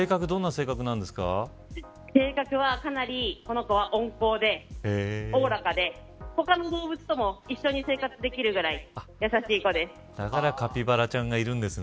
性格は、かなりこの子は温厚でおおらかで、他の動物とも一緒に生活できるぐらいやさしい子です。